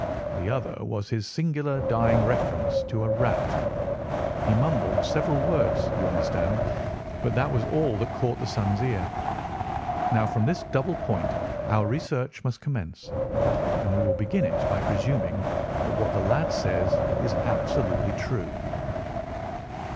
The other was his singular dying reference to a rat. He mumbled several words, you understand, but that was all that caught the son's ear. Now from this double point our research must commence, and we will begin it by presuming that what the lad says is absolutely true."